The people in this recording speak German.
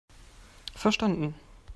Verstanden!